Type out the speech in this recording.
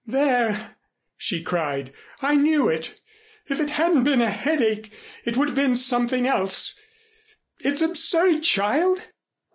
"There!" she cried. "I knew it. If it hadn't been a headache, it would have been something else. It's absurd, child.